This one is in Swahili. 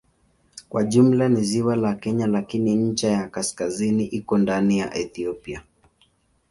Kwa jumla ni ziwa la Kenya lakini ncha ya kaskazini iko ndani ya Ethiopia.